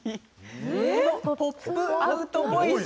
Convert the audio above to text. ポップアウトボイス。